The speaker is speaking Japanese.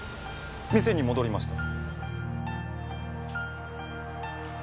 店に戻りました。